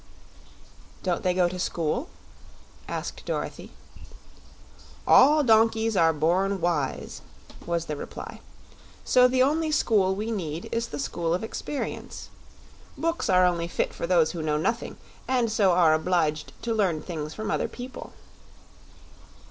"Don't they go to school?" asked Dorothy. "All donkeys are born wise," was the reply, "so the only school we need is the school of experience. Books are only for those who know nothing, and so are obliged to learn things from other people."